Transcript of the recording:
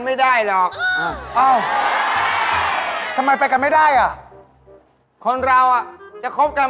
มึงเข้าบ้านด่ะส่งมาก็รับส่ง